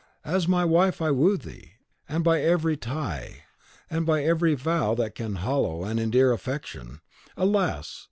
As my wife I woo thee, and by every tie, and by every vow that can hallow and endear affection. Alas!